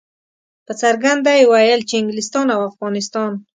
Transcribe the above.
په څرګنده یې ویل چې انګلستان او افغانستان.